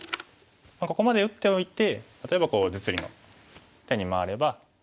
ここまで打っておいて例えば実利の手に回れば。